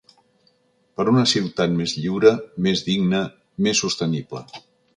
Per una ciutat més lliure , més digne, més sostenible.